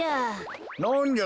なんじゃ？